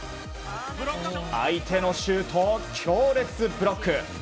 相手のシュートを強烈ブロック。